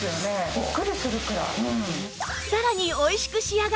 さらに